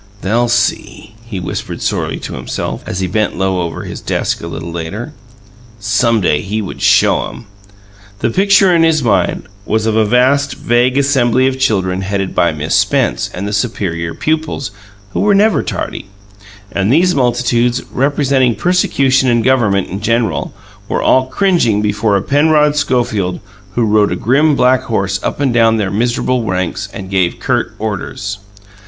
"They'll SEE!" he whispered sorely to himself, as he bent low over his desk, a little later. Some day he would "show 'em". The picture in his mind was of a vast, vague assembly of people headed by Miss Spence and the superior pupils who were never tardy, and these multitudes, representing persecution and government in general, were all cringing before a Penrod Schofield who rode a grim black horse up and down their miserable ranks, and gave curt orders.